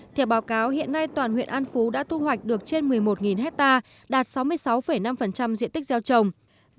theo báo cáo hiện nay toàn huyện an phú đã thu hoạch được trên một mươi một hectare đạt sáu mươi sáu năm diện tích gieo trồng